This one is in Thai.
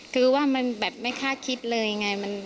คือว่ามันแบบไม่คาดคิดเลยไง